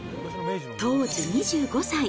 当時２５歳。